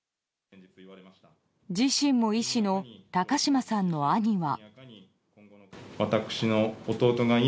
自身も医師の高島さんの兄は。